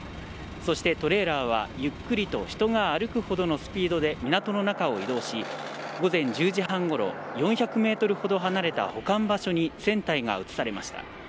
そしてトレーラーはゆっくりと人が歩くほどのスピードで港の中を移動し午前１０時半ごろ４００ｍほど離れた保管場所に船体が移されました。